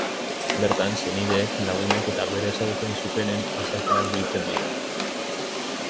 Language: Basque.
Bertan, senideek, lagunek eta bera ezagutzen zutenen azalpenak biltzen dira.